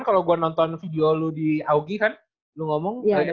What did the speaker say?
kalau gua nonton video lu di augie kan lu ngomong dari smp